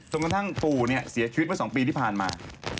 จนกระทั่งปู่เสียชีวิตมา๒ปีที่ผ่านมา